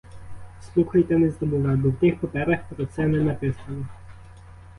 Слухай та не забувай, бо в тих паперах про це не написано.